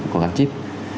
còn gắn chip